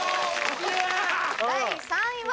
第３位は。